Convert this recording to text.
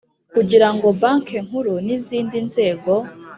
kugirango Bank Nkuru n izindi nzego